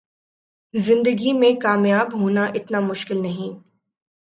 زندگی میں کامیاب ہونا اتنا مشکل نہیں